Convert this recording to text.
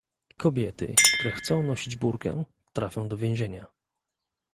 kobiety, które chcą nosić burkę, trafią do więzienia